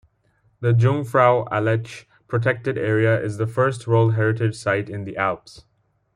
The Jungfrau-Aletsch Protected Area is the first World Heritage Site in the Alps.